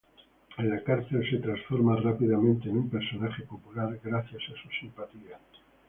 En la cárcel se transforma rápidamente en un personaje popular gracias a su simpatía.